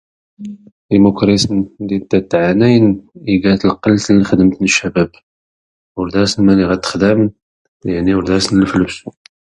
Imukrisn lli d da ttɛanayn, iga t lqllt n lxdmt n ccabab, ur darsn mani ɣ a txdamn, yaɛni ur darsn lflus.